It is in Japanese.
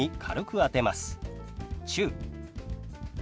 「中」。